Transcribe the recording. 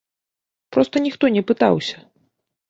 Проста ніхто не пытаўся.